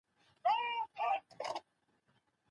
کشيشان د ټولني مهم قشر ګڼل کيده.